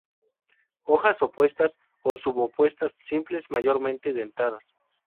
Hojas opuestas o subopuestas, simples, mayormente dentadas.